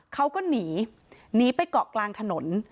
เขาก็หนีหนีไปเกาะกลางถนน